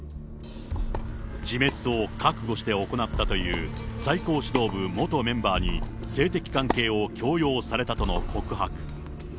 自滅を覚悟して行ったという最高指導部元メンバーに性的関係を強要されたとの告白。